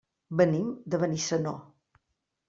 Venim de Benissanó.